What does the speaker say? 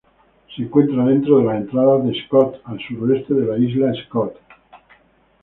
Se encuentra dentro de la entrada de Scott, al suroeste de la isla Scott.